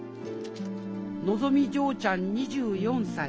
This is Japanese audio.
のぞみ嬢ちゃん２４歳。